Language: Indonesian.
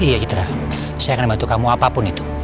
iya kita saya akan bantu kamu apapun itu